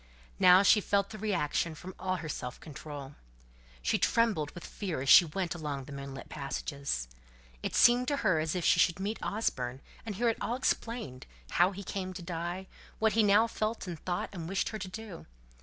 Now she felt the reaction from all her self control. She trembled with fear as she went along the moonlit passages. It seemed to her as if she should meet Osborne, and hear it all explained; how he came to die, what he now felt and thought and wished her to do.